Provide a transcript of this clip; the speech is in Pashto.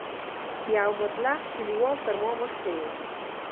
یو مطلق کلیوال تر ما مخکې و.